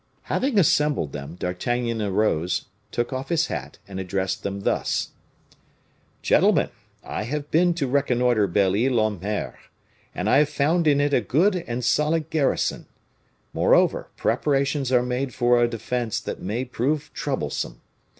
Having assembled them, D'Artagnan arose, took of his hat, and addressed them thus: "Gentlemen, I have been to reconnoiter Belle Ile en Mer, and I have found in it a good and solid garrison; moreover, preparations are made for a defense that may prove troublesome.